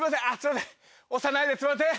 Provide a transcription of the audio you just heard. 押さないですいません！